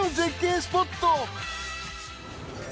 スポット